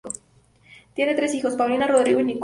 Tiene tres hijos, Paulina, Rodrigo y Nicolas.